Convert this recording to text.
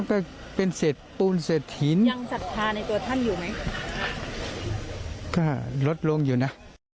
ก็ลดลงอยู่นะ